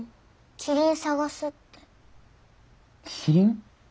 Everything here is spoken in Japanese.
キリン。